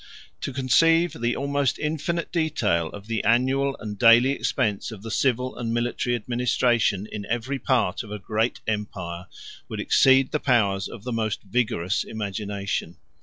To conceive the almost infinite detail of the annual and daily expense of the civil and military administration in every part of a great empire, would exceed the powers of the most vigorous imagination.